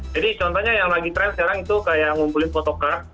jadi contohnya yang lagi trend sekarang itu kayak ngumpulin photocard